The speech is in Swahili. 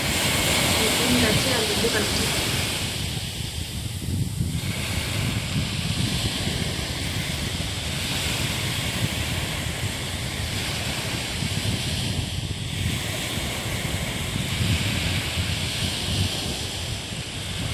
Nigga Jay aliibuka na kuteka hisia za watu kwenye mziki huo wa kizazi kipya